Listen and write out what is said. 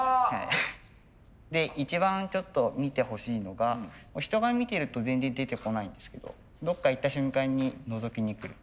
で一番ちょっと見てほしいのが人が見てると全然出てこないんですけどどっか行った瞬間にのぞきにくる。